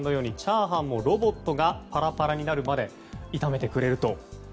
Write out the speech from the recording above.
チャーハンもロボットがパラパラになるまで炒めてくれる。